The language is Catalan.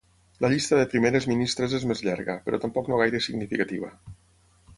La llista de primeres ministres és més llarga, però tampoc no gaire significativa.